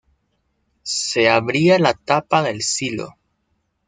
Se abría la tapa del silo.